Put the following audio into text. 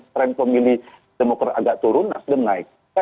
trend pemilih demokrat agak turun nasdem naik